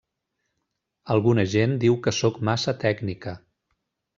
Alguna gent diu que sóc massa tècnica.